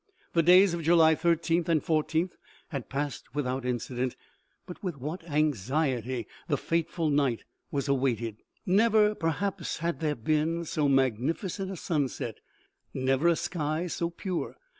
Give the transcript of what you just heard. The days of July i3th and i4th had passed without incident, but with what anxiety the fateful night was awaited ! Never, perhaps, had there been so magnificent a sunset, never a sky so pure